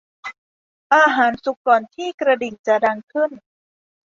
อาหารสุกก่อนที่กระดิ่งจะดังขึ้น